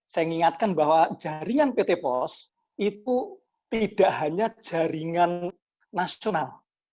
saya ingatkan bahwa jaringan pt pos itu tidak hanya jaringan nasional